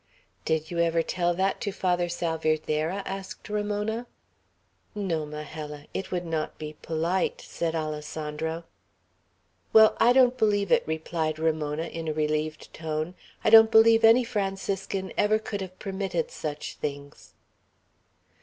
"Did you ever tell that to Father Salvierderra?" asked Ramona. "No, Majella. It would not be polite," said Alessandro. "Well, I don't believe it," replied Ramona, in a relieved tone. "I don't believe any Franciscan ever could have permitted such things."